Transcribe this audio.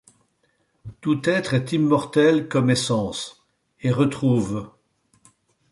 Tout être est immortel comme essence ; et retrouve